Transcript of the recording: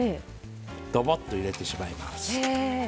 どぼっと入れてしまいます。